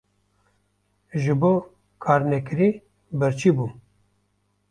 ji bo karnekirî birçî bûm.